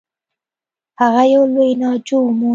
هغه یو لوی ناجو و موند.